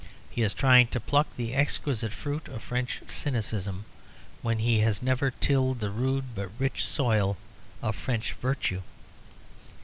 He is trying to pluck the exquisite fruit of French cynicism, when he has never tilled the rude but rich soil of French virtue.